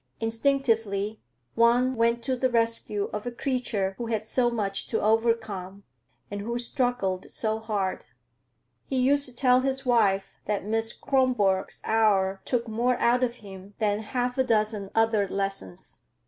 Instinctively one went to the rescue of a creature who had so much to overcome and who struggled so hard. He used to tell his wife that Miss Kronborg's hour took more out of him than half a dozen other lessons.